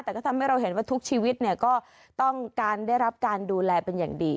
แต่ก็ทำให้เราเห็นว่าทุกชีวิตเนี่ยก็ต้องการได้รับการดูแลเป็นอย่างดี